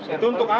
itu untuk apa pak